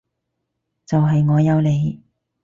就係我有你